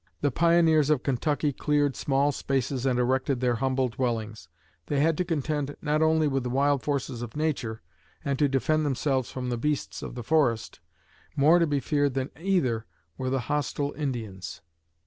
The pioneers of Kentucky cleared small spaces and erected their humble dwellings. They had to contend not only with the wild forces of nature, and to defend themselves from the beasts of the forest, more to be feared than either were the hostile Indians.